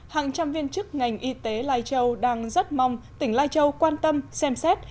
hàng trăm viên chức ngành y tế lai châu đang rất mong tỉnh lai châu quan tâm xem xét